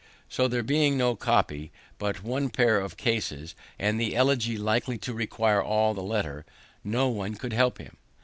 So there being no copy, but one pair of cases, and the Elegy likely to require all the letter, no one could help him.